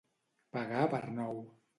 Pagar per nou.